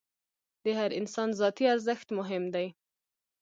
د هر انسان ذاتي ارزښت مهم دی.